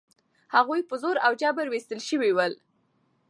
هغوی په زور او جبر ویستل شوي ول.